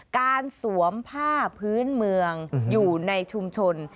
สวมผ้าพื้นเมืองอยู่ในชุมชน